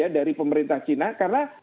dari pemerintah china karena